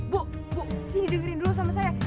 bu bu sini di dengerin dulu sama saya